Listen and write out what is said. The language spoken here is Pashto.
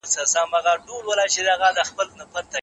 د نورو مال مه خورئ.